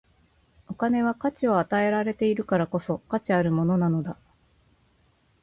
お金は価値を与えられているからこそ、価値あるものなのだ。